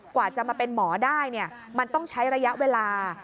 กว่าจะมาเป็นหมอได้มันต้องใช้ระยะเวลา